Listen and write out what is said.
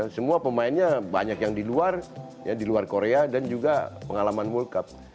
semua pemainnya banyak yang di luar korea dan juga pengalaman world cup